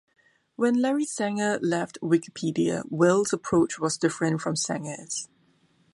When Larry Sanger left Wikipedia, Wales's approach was different from Sanger's.